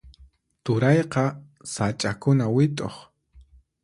Turayqa sach'akuna wit'uq.